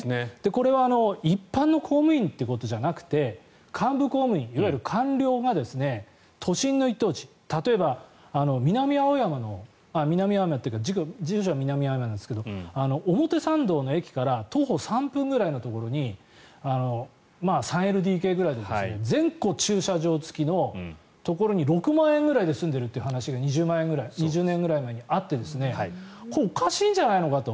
これは一般の公務員ということじゃなくて幹部公務員、いわゆる官僚が都心の一等地例えば南青山住所は南青山なんですけど表参道の駅から徒歩３分ぐらいのところに３ＬＤＫくらいの全戸駐車場付きのところに６万円ぐらいで住んでいるという話が２０年ぐらい前にあってこれおかしいんじゃないのかと。